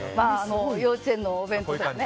幼稚園のお弁当とかね。